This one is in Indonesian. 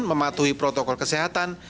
mematuhi protokol kesehatan